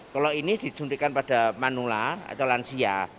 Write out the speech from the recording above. kalau ini disuntikan pada manula atau lansia